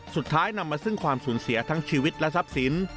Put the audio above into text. สุดท้ายนำมาซึ่งความสูญเสียทั้งชีวิตและทรัพย์ศิลป์